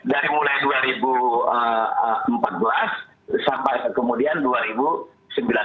dari mulai dua ribu empat belas sampai kemudian dua ribu sembilan belas